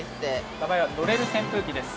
◆名前は、のれる扇風機です。